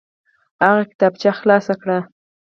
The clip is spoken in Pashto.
هغه کتابچه خلاصه کړه.